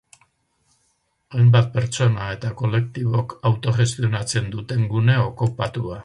Hainbat pertsona eta kolektibok autogestionatzen duten gune okupatua.